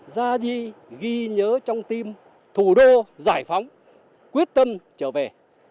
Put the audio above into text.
ra đi ghi nhớ trong tim thủ đô giải phóng quyết tâm trở về